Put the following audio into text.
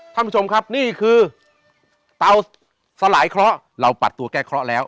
ท่านผู้ชมครับนี่คือเตาสลายเคราะห์เราปัดตัวแก้เคราะห์แล้ว